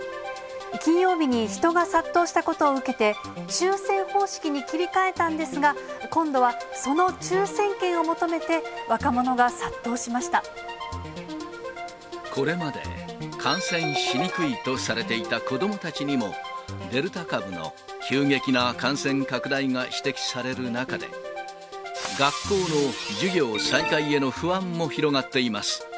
金曜日に人が殺到したことを受けて、抽せん方式に切り替えたんですが、今度はその抽せん券を求めて、これまで感染しにくいとされていた子どもたちにも、デルタ株の急激な感染拡大が指摘される中で、学校の授業再開への不安も広がっています。